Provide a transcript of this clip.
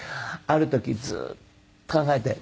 ある時ずっと考えて。